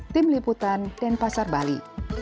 tim liputan denpasar bali